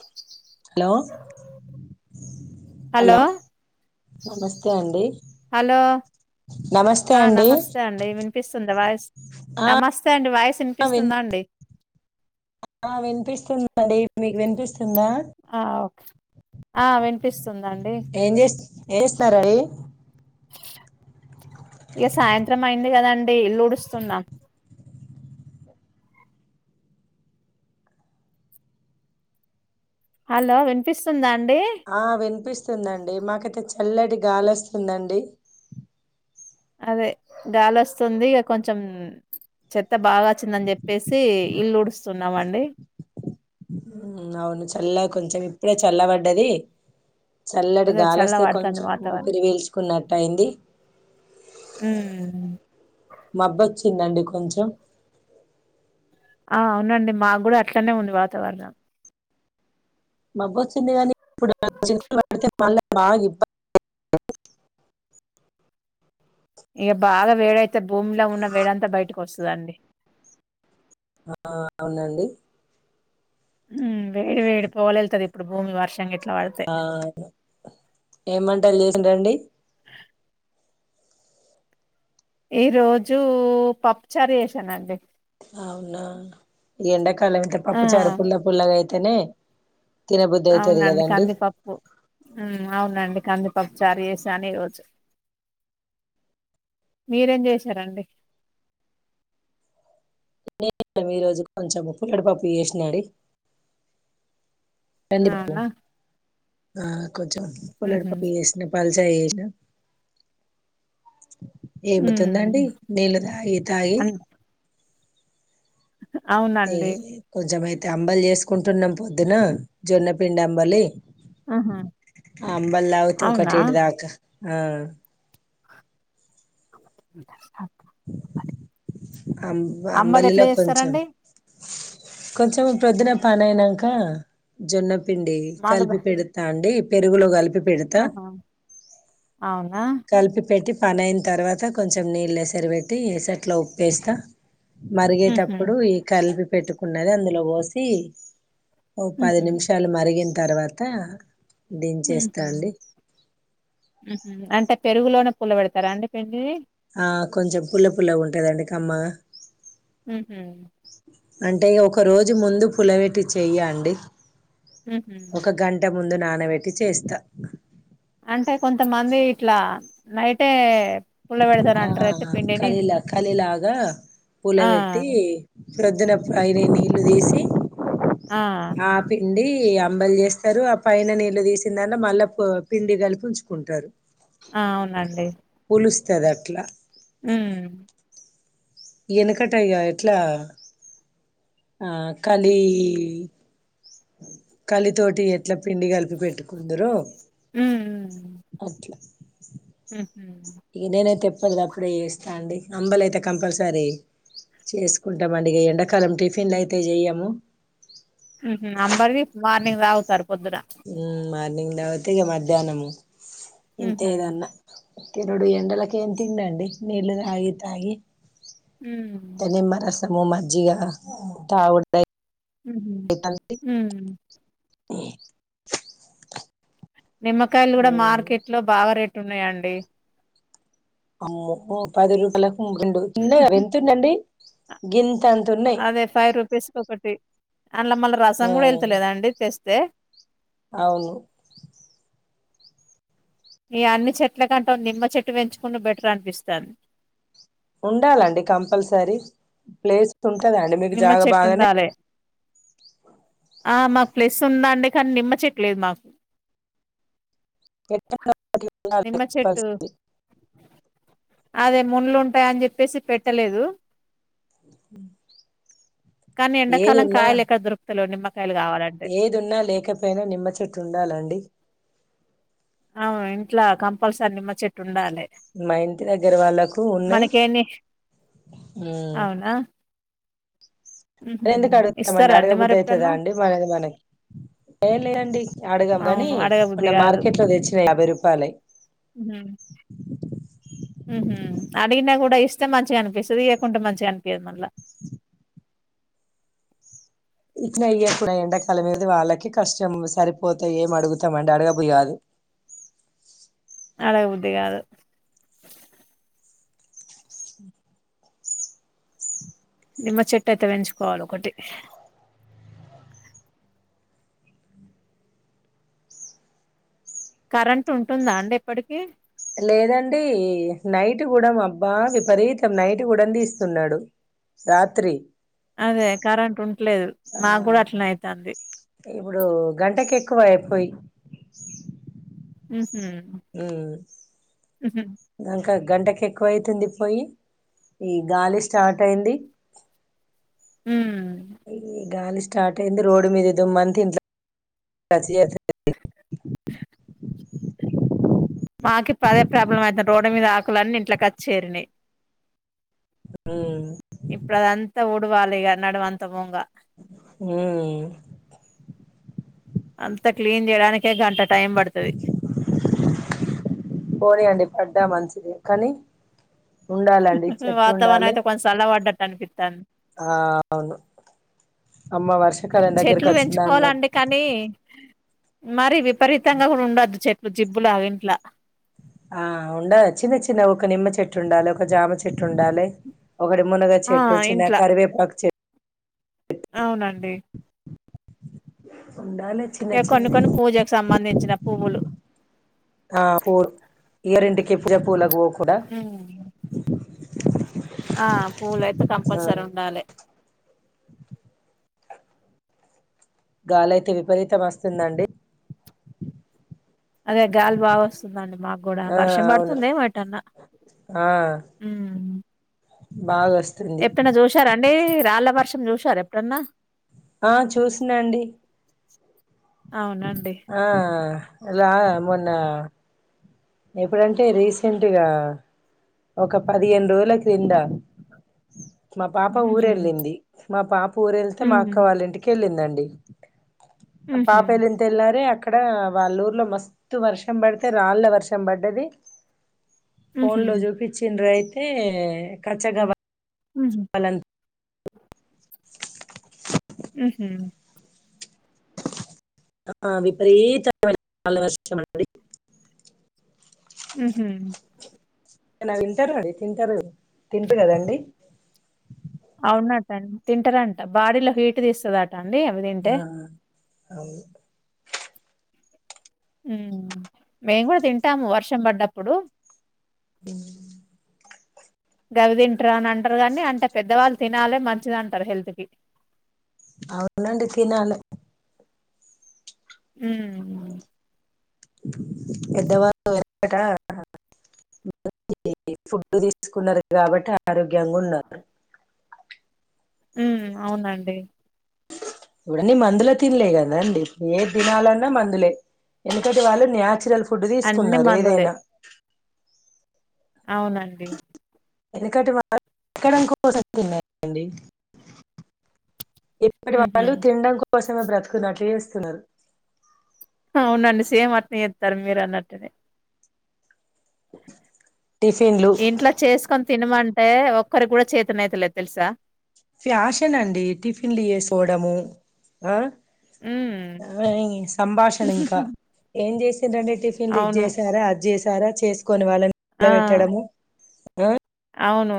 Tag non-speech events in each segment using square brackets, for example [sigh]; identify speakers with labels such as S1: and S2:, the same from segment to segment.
S1: Kick kick.
S2: Hello hello నమస్తే అండి
S1: hello
S2: నమస్తే
S1: ఆ
S2: అండి
S1: నమస్తే అండి వినిపిస్తుందా వాయిస్
S2: ఆ
S1: నమస్తే అండి వాయిస్
S2: విన్
S1: వినిపిస్తుందా అండి
S2: ఆ వినిపిస్తుంది అండి మీకు వినిపిస్తుందా
S1: ఆ ఓ ఆ వినిపిస్తుంది అండి
S2: ఏం జేష్ ఏస్తున్నారు అండి
S1: ఇగ సాయంత్రం అయింది కదా అండి ఇల్లు ఉడుస్తున్నాం హలో వినిపిస్తుందా అండి
S2: ఆ వినిపిస్తుంది అండి మాకైతే చల్లటి గాలి వస్తుంది అండి
S1: అదే గాలి వస్తుంది ఇగ కొంచం చెత్త బాగా వచ్చిందని చెప్పేసి ఇల్లు ఊడుస్తున్నామండి
S2: అవును చల్ల కొంచం ఇప్పుడే చల్ల పడ్డది. చల్లటి
S1: అదే
S2: గాలి
S1: చల్ల
S2: వస్తే
S1: పడుతుంది
S2: కొంచం
S1: వాతావరణం
S2: ఊపిరి పిల్చుకున్నట్టు అయింది.
S1: హ్మ్
S2: మబ్బు వచ్చిందండి కొంచం
S1: ఆ అవునండి మాకు గూడా అట్లనే ఉంది వాతావరణం.
S2: మబ్బు వచ్చింది గానీ ఇప్పుడు నలుగు చినుకులు పడితే మళ్ళా బాగా ఇబ్బంది
S1: ఇగ బాగా వేడి అయితే భూమిలో ఉన్న వేడి అంతా బయటికి వస్తదండి.
S2: ఆ ఆ అవునండి
S1: హ్మ్ వేడి వేడి పోగల్ వెళ్తాది ఇప్పుడు భూమి వర్షం గిట్ల పడి
S2: ఆ ఏం వంటలు చేసిలు అండి
S1: ఈ రోజు పప్పు చార్ చేేసానండి
S2: అవునా ఈ ఎండాకాలం అయితే
S1: ఆ!
S2: పప్పుచారు పుల్ల పుల్లగా అయితేనే తినబుద్ధి అయితది
S1: అవునండి.
S2: కదా అండి.
S1: కందిపప్పు. హ్మ్ అవునండి కందిపప్పు చారు చేసాను ఈ రోజు మీరేం చేశారండి.
S2: ఈ రోజు కొంచం పుల్లడి పప్పు చేసిన అండి కంది పప్పు
S1: అవునా?
S2: ఆ కొంచం పుల్లటి
S1: హుహు.
S2: పప్పు చేసిన పల్చగా చేసిన ఈముతుందండి
S1: హ్మ్.
S2: నీళ్ళు తాగి తాగి
S1: అన్
S2: ఏ
S1: అవునండి.
S2: కొంచం అయితే అంబలి చేసుకుంటున్నాం పొద్దున జొన్నపిండి అంబలి
S1: ఆహా!
S2: అంబలి తాగుతూ
S1: అవునా?
S2: కటిడ్దాక ఆ అంబ
S1: అమ్మలు ఎట్లా
S2: అంబలిలో కొంచెం
S1: చేస్తారండి?
S2: కొంచం ప్రొద్న పనైనంకా జొన్నపిండి
S1: మాకు ద
S2: కలిపి పెడతా అండి పెరుగులో కలిపి పెడతా
S1: ఆహా అవునా
S2: కలిపి పెట్టి పన అయిన తర్వాత కొంచెం నీళ్ళేసరి పెట్టి ఏసట్లో ఉప్పేస్తా
S1: హుహు.
S2: మరిగేటప్పుడు ఈ కలిపి పెట్టుకున్నది అందులో పోసి ఓ పది
S1: హుహు.
S2: నిమిషాలు మరిగిన తర్వాత
S1: ఉహు
S2: దించేస్తా అండి
S1: అంటే పెరుగులోనే పుల్ల పెడతారా అండి
S2: ఆ కొంచెం పుల్ల పుల్లగా ఉంటదండి కమ్మగా
S1: ఉహు
S2: అంటే ఒక రోజు ముందు పులవెట్టి చెయ్యండి
S1: హుహు.
S2: ఒక గంట ముందు నానబెట్టి చేస్తా
S1: అంటే కొంతమంది ఇట్లా నైటే పుల్ల
S2: ఆ
S1: పెడతారంటారు అయితే పిండిని
S2: కలీలా కలీలాగా
S1: ఆ
S2: పూలపెట్టి ప్రొద్దున పైని నీళ్లు తీసి
S1: ఆ
S2: ఆ పిండి అంబలి చేస్తారు ఆ పైన నీళ్ళు తీసిన దాలో మళ్ళా పిండి కలిపి ఉంచుకుంటారు
S1: ఆవునండి
S2: పులుస్తది అట్లా
S1: ఉ
S2: వెనకటయ్యా ఎట్లా ఆకలీ కలితోటి ఎట్లా పిండి కలిపి పెట్టుకుందరు
S1: ఉ
S2: ఓకే
S1: హ
S2: ఇక నేనైతే ఎప్పటిది అప్పుడే చేస్తా అండి అంబలయితే కంపల్సరీ చేసుకుంటాము అండి ఎండాకాలం టిఫిన్లు అయితే చెయము
S1: అంబలిది మార్నింగ్ తాగుతారు పొద్దున
S2: ఉమ్ మార్నింగ్ దవతిగా మధ్యాహ్నము
S1: ఉహు
S2: ఇంతేనన్నా తినుడు ఎండలకు ఏం తిండి అండి నీళ్లు తాగి తాగి తే
S1: హ్మ్
S2: నిమ్మరసము మజ్జిగ తాగుతే
S1: ఉమ్ ఉ నిమ్మకాయలు కూడా మార్కెట్లో బాగా రేట్ ఉన్నాయండి
S2: అమ్మో పది రూపాయలకు రెండు తన్నా ఎంతుందండి
S1: అ
S2: గింత అంత ఉన్నాయి
S1: అదే ఫైవ్ రూపీస్కి ఒకటి అందులో మళ్ళ
S2: ఆ
S1: రసం కూడా వెళ్తలేదండి తెస్తే
S2: అవును
S1: ఈ అన్ని చెట్ల కంటే నిమ్మ చెట్టు పెంచుకుంటూ బెటర్ అనిపిస్తాంది
S2: ఉండాలండి కంపల్సరీ ప్లేస్స్ ఉంటదా అండి మీకు
S1: నిమ్మ
S2: జాగా
S1: చెట్టు
S2: బాగానే
S1: ఉండాలే ఆ మాకు ప్లెస్ ఉందండి కానీ నిమ్మ చెట్లేదు మాకు నిమ్మ చెట్టు అదే మున్లు ఉంటాయి అని చెప్పేసి పెట్టలేదు కానీ
S2: ఏది
S1: ఎండాకాలం
S2: ఉన్నా
S1: కాయలు ఎక్కడ దొరుకుతలే నిమ్మకాయలు కావాలంటే
S2: ఏదున్నా లేకపోయినా నిమ్మ చెట్టు ఉండాలండి
S1: అవును ఇంట్లా కంపల్సరి నిమ్మ చెట్టు ఉండాలి
S2: మా ఇంటి దగ్గర వాళ్ళకు ఉన్నాయి
S1: మనకేన్ని
S2: ఊ
S1: అవునా
S2: మ
S1: ఉహు
S2: ఎందుకు అడుగుతామండి
S1: ఇస్తారా అండి మరి
S2: అడగబుద్దు అవుతుందా
S1: ఎప్పుడన్నా
S2: అండి మనది మనకి ఏం లేదండి అడగం గాని
S1: అవును అడగబుద్ది
S2: ఉన్న మార్కెట్ లో తెచ్చినాయి యాభై రూపాయలు
S1: ఉ ఉహు అడిగినా కూడా ఇస్తే మంచిగా అనిపిస్తది ఇయ్యకుంటే మంచిగా అనిపియదు మళ్ళ
S2: ఇట్ల అయ్యప్పుడ ఎండాకాలం మీద వాళ్ళకి కష్టం సరిపోతాయి ఏం అడుగుతామండి అడగబుయాదు
S1: అడగ బుద్ధి గాదు. నిమ్మ చెట్టు అయితే వెంచుకోవాలి ఒకటి. కరెంటుంటుందా అండి ఎప్పటికిీ.
S2: లేదండీ ఇగ నైట్ గుడమ్ అబ్బా విపరీతం నైట్ కూడామ్ దీస్తున్నాడు. రాత్రి.
S1: అదే కరెంట్టుంట్లేదు
S2: ఆ
S1: మా గూడా అట్లనే అయితంది.
S2: ఇప్పుడు గంటకేక్కువాయే పోయి.
S1: ఉహు హు.
S2: ఇంకా గంటకేక్కువయితుంది పోయి ఈ గాలి స్టార్ట్ అయింది.
S1: ఉమ్.
S2: ఈ గాలి స్టార్ట్ అయింది రోడ్ మీదేదో మంతిన్ జా. పచ్చి ఏయద్దు.
S1: మాకి పదే ప్రాబ్లమ్ అవుతంది రోడ్డు మీద ఆకులన్నీ ఇంట్లక్కాచ్చేరినై.
S2: హు.
S1: ఇప్పుడదంతా ఉడువాలే ఇగ నడుమంతా బోంగా.
S2: హ్మ్.
S1: అంత క్లీన్ జేయడానికే గంట టైం బడతది.
S2: పోనీ అండి పడ్డా మంచిదే కనీ. ఉండాలండి చెట్లుండాలే.
S1: సన్న వాడ్డటనిపిత్తంది.
S2: ఆ అవును అమ్మ వర్షాకాలం దగ్గరకచ్చిందా అన్న.
S1: అనీ. మరి విపరీతంగా గూడా ఉండద్దు చెట్లు జిబ్బు లాగా ఇంట్ల.
S2: ఆ ఉండ చిన్న చిన్న ఒక నిమ్మ చెట్లు ఉండాలే ఒక జామ చెట్లు ఉండాలే. ఒకటి మునగ
S1: ఆ!
S2: చెట్టు చిన్నగ
S1: ఇంట్ల
S2: కరివేపాకు చె.
S1: అవునండి.
S2: ఉండాలే.
S1: ఇగ కొన్ని కొన్ని పూజకు సంమంధించిన పువ్వులు.
S2: ఆ పోర్ ఎవరింటికి పూజకు పూలాకుపో.
S1: హ్మ్. ఆ పూలయితే
S2: ఆ
S1: కంపల్సరీ ఉండాలే.
S2: గాలయితే విపరీతం అస్తుందండి.
S1: అదే గాలి బాగ ఓస్తుందండి మాగ్. గూడా
S2: ఆ
S1: వర్షం
S2: అవును
S1: పడుతుందేమో ఏటన్నా ఉమ్.
S2: బాగాస్.
S1: ఎపుడన్న జూశారాండి రాళ్ల వర్షం జూశార ఎపుడన్నా.
S2: ఆ చూసినండి.
S1: అవునండి.
S2: ఆ ఇలా మొన్నా. ఎప్పుడంటే రీసెంట్గా. ఒక పదిగేను రోల క్రింద. మా పాప
S1: హుహు.
S2: ఊరేళ్ళింది మా పాప ఊరేళ్తే మా అక్క
S1: హ్మ్.
S2: వాళ్ళ ఇంటి. కేళ్ళిందండి
S1: హుహు.
S2: పాప ఏళింది. తెల్లారే అక్కడా వాళ్ళ ఊర్లో మస్తు వర్షం బడితే రాళ్ళ వర్షం బడ్డది.
S1: హుహు.
S2: ఫోన్లో చూపించిండ్రు అయితే [unintelligible]
S1: ఉహు
S2: [unintelligible]
S1: ఉహు
S2: ఆ విపరీత [unintelligible] వర్షం అండి
S1: ఉహు
S2: [unintelligible] వింటారు అండి తింటారు తిం [unintelligible] కదండి
S1: అవునట్ట తింటారంట బాడీలో హీట్ తీస్తద [unintelligible]
S2: ఆ అవు
S1: ఉ మేము కూడ తింటాము వర్షం పడ్డప్పుడు
S2: హు
S1: గవి తింటారు అని అంటారు కానీ అంటే పెద్దవాళ్ళు తినాలే మంచిది అంటారు హెల్త్ కి
S2: అవునండి తినలే
S1: ఉ
S2: పెద్ద [unintelligible] ఫుడ్ తీసుకున్నారు కాబట్టి ఆరోగ్యంగ ఉన్నారు
S1: ఉ అవునండి
S2: [unintelligible] మందులో తినలే కదండి ఏ తినాలన్నా మందులే ఎందుకంటే వాళ్ళు న్యాచురల్ ఫుడ్
S1: అన్ని
S2: తీసుకున్నారు ఏదైన
S1: మందులే. అవునండి
S2: [unintelligible] ఇప్పటి
S1: హుహు.
S2: వాళ్ళు తినడం కోసమే బ్రతుకున్నట్లు చేస్తున్నారు
S1: అవునండి సేమ్ [unintelligible] చేస్తారు మీరు అన్నట్టునే
S2: టిఫిన్లు
S1: ఇంట్లో చేసుకొని తినమంటే ఒక్కరి కూడ చేతన్ అయితలేదు తెలుసా
S2: ఫ్యాషన్ అండి టిఫిన్లు చేసుకోవడం ఆ
S1: హ్మ్.
S2: సంభాషలింక ఏం చేసిందండి టిఫిన్లు ఇది
S1: అవును.
S2: చేసారా అది చేసారా చేసుకొని వాళ్ళని
S1: ఆ!
S2: [unintelligible] పెట్టడము
S1: అవును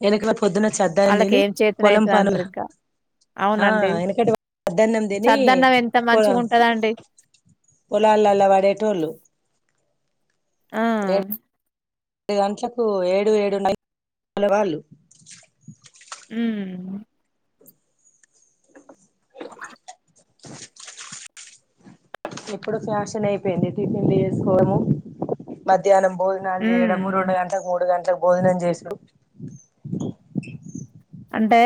S2: [unintelligible] పొద్దున్న చేద్దా నేని
S1: ఆళ్ళకేం
S2: పొలం పనుల
S1: చేతనైతదంటరింకా.
S2: ఆ
S1: అవునండి.
S2: వెనకటి సద్దనం తిని
S1: చద్దన్నం ఎంత
S2: పోదం
S1: మంచిగుంటదండి.
S2: పాలలో వడేటోలు
S1: ఆ
S2: [unintelligible]
S1: ఉ
S2: ఇప్పుడు ఫ్యాషన్ అయిపోయింది టిఫిన్లు చేసుకోవడము మధ్యానము భోజనాలు
S1: హ్మ్.
S2: చేయడము రెండు గంటలకు మూడు గంటలకు భోజనం చేస
S1: అంటే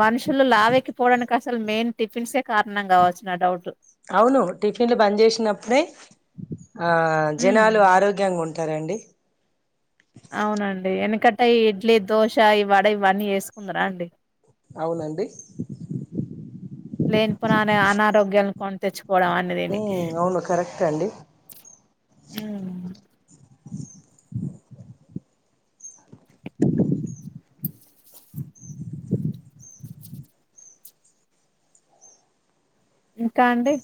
S1: మనుషులు లావెక్కిపోవడానికి అసలు మెయిన్ టిఫిన్సే కారణం కావచ్చు నా డౌట్
S2: అవును టిఫిన్లు బంద్ చేసినప్పుడే ఆ
S1: హ్మ్.
S2: జనాలు ఆరోగ్యంగా ఉ టార్ అండి
S1: అవునండి వెనకట్ట ఈ ఇడ్లీ దోశ ఇ వాడ ఇవన్నీ [unintelligible] రా అండి
S2: అవునండి
S1: లేని పోనీ అనారోగ్యాలు కొని తెచ్చుకోవడం అని
S2: అవును కరెక్ట్ అండి
S1: హ్ ఇంకా అండి